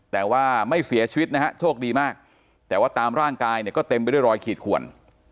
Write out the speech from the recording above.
แต่ว่าไม่เสียชีวิตนะฮะโชคดีมากแต่ว่าตามร่างกายเนี่ยก็เต็มไปด้วยรอยขีดขวน